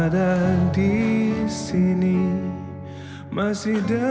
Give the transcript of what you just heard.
kan itu semua